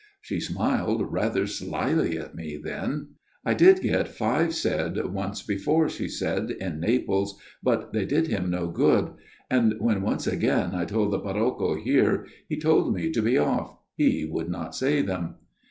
" She smiled rather slyly at me then. "' I did get five said once before,* she said, * in Naples, but they did him no good. And when once again I told the parrocho here, he told me to be off ; he would not say them.'